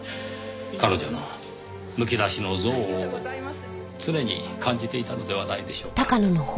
彼女のむき出しの憎悪を常に感じていたのではないでしょうか。